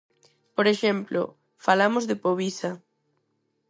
Por exemplo, falamos de Povisa.